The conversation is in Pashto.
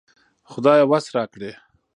خدايه وس راکړې